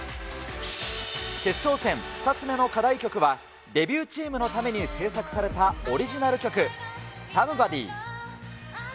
決勝戦２つ目の課題曲は、デビューチームのために制作されたオリジナル曲、ＳＯＭＥＢＯＤＹ。